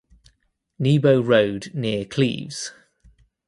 Nebo Road near Cleves.